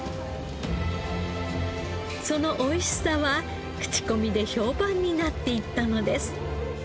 その美味しさは口コミで評判になっていったのです。